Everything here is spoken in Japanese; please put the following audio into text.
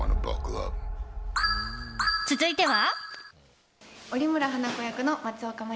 続いては。